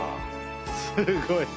すごいな。